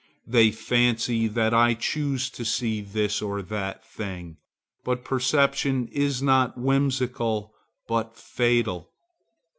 They fancy that I choose to see this or that thing. But perception is not whimsical, but fatal.